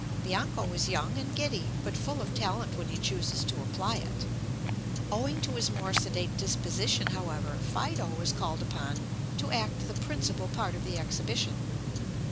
Bianco is young and giddy, but full of talent when he chooses to apply it. Owing to his more sedate disposition, however, Fido is called upon to act the principal part of the exhibition.